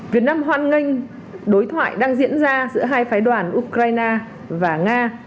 việt nam hoan nghênh đối thoại đang diễn ra giữa hai phái đoàn ukraine và nga